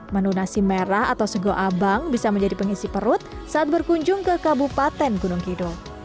menu nasi merah atau sego abang bisa menjadi pengisi perut saat berkunjung ke kabupaten gunung kidul